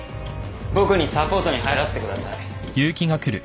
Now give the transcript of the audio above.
僕にサポートに入らせてください。